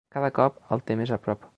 Cada cop el té més a prop.